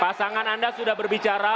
pasangan anda sudah berbicara